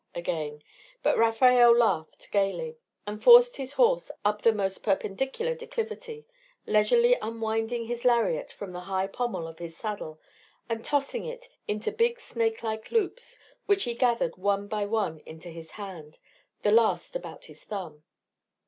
again; but Rafael laughed gaily, and forced his horse up the almost perpendicular declivity, leisurely unwinding his lariat from the high pommel of his saddle, and tossing it into big snake like loops, which he gathered one by one into his hand, the last about his thumb.